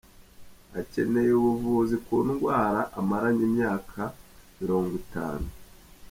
Akeneye ubuvuzi ku ndwara amaranye imyaka murongo itanu